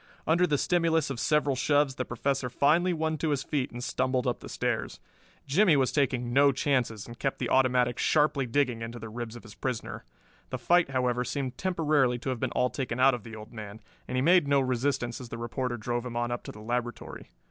Under the stimulus of several shoves the Professor finally won to his feet and stumbled up the stairs. Jimmie was taking no chances and kept the automatic sharply digging into the ribs of his prisoner. The fight, however, seemed temporarily to have been all taken out of the old man, and he made no resistance as the reporter drove him on up to the laboratory.